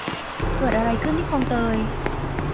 เกิดอะไรขึ้นที่คลองเตย ?